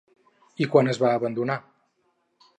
I quan es va abandonar?